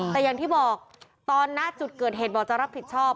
แต่อย่างที่บอกตอนณจุดเกิดเหตุบอกจะรับผิดชอบ